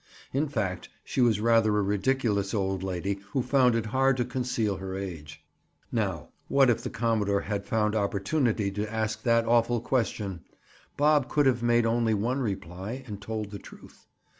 In fact, she was rather a ridiculous old lady who found it hard to conceal her age. Now what if the commodore had found opportunity to ask that awful question? Bob could have made only one reply and told the truth.